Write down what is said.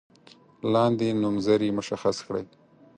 لاندې نومځري مشخص کړئ.